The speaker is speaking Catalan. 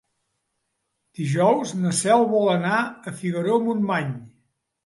Dijous na Cel vol anar a Figaró-Montmany.